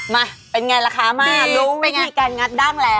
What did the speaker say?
มาเป็นไงล่ะคะมารู้วิธีการงัดดั้งแล้ว